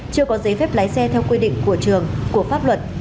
chưa có giấy phép lái xe theo quy định của trường của pháp luật